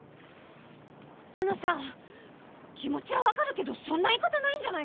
あのさ気持ちは分かるけどそんな言い方ないんじゃないかな？